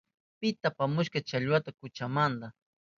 ¿Pita apamushka challwata kuchamanta?